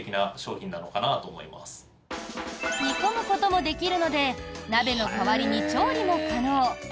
煮込むこともできるので鍋の代わりに調理も可能。